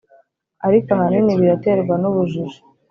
ariko ahanini biraterwa n'ubujiji